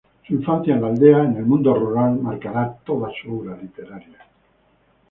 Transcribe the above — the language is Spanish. Su infancia en la aldea, en el mundo rural, marcará toda su obra literaria.